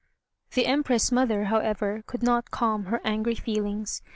The Empress mother, however, could not calm her angry feelings.